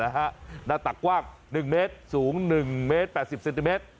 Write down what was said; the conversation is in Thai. หน้าตักกว้าง๑เมตรสูง๑เมตร๘๐เซนติเมตร